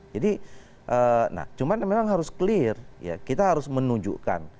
jadi nah cuma memang harus clear ya kita harus menunjukkan